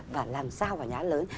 và làm sao vào nhán lớn